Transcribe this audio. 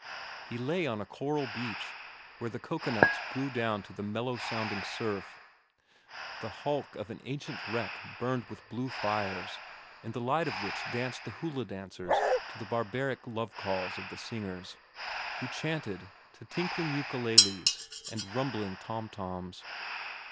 He lay on a coral beach where the cocoanuts grew down to the mellow sounding surf. The hulk of an ancient wreck burned with blue fires, in the light of which danced the hula dancers to the barbaric love calls of the singers, who chanted to tinkling ukuleles and rumbling tom toms.